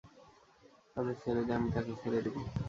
তাদের ছেড়ে দে, আমি তাকে ছেড়ে দিবো।